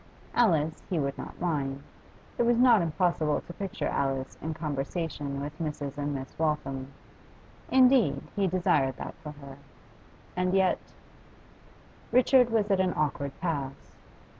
Alice he would not mind; it was not impossible to picture Alice in conversation with Mrs. and Miss Waltham; indeed, he desired that for her. And yet Richard was at an awkward pass.